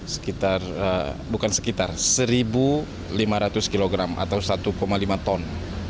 sekitar bukan sekitar satu lima ratus kilogram atau satu lima ton